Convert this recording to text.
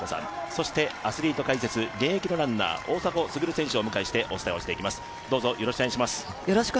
そして、アスリート解説現役のランナー大迫傑選手をお迎えしてお伝えをしていきます。